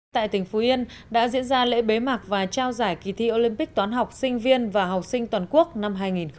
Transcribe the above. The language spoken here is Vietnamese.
tại tỉnh phú yên đã diễn ra lễ bế mạc và trao giải kỳ thi olympic toán học sinh viên và học sinh toàn quốc năm hai nghìn hai mươi